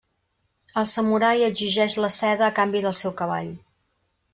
El samurai exigeix la seda a canvi del seu cavall.